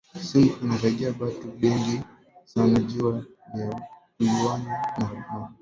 Simu inasaidia batu bengi sana juya kuyuwana ma habari